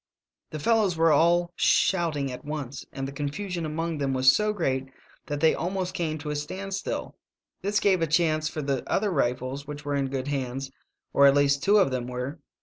"The fellows were all shouting at once, and the confusion among them was so great that they almost came to a standstill. This gave a chance for the other rifles, which were in good hands — or at least two of them were.